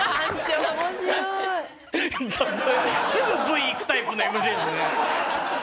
すぐＶいくタイプのＭＣですね。